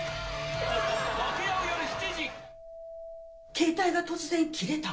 携帯が突然切れた？